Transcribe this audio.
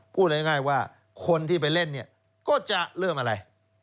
พูดง่ายว่าคนที่ไปเล่นเนี่ยก็จะเริ่มอะไร